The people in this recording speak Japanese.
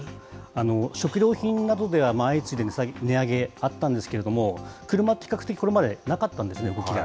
食料品などでは、相次いで値上げあったんですけれども、車、比較的これまでなかったんですね、動きが。